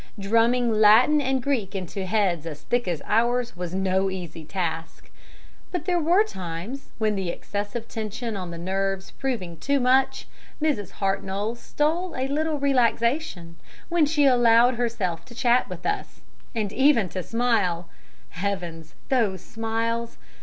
Drumming Latin and Greek into heads as thick as ours was no easy task. But there were times, when the excessive tension on the nerves proving too much, Mrs. Hartnoll stole a little relaxation; when she allowed herself to chat with us, and even to smile Heavens! those smiles!